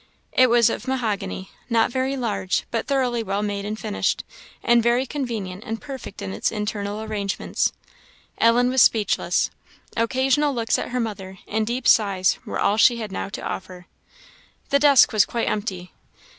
It was of mahogany, not very large, but thoroughly well made and finished, and very convenient and perfect in its internal arrangements. Ellen was speechless; occasional looks at her mother, and deep sighs, were all she had now to offer. The desk was quite empty.